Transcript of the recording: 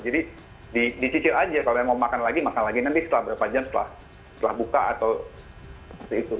jadi dicicil aja kalau mau makan lagi makan lagi nanti setelah berapa jam setelah buka atau seperti itu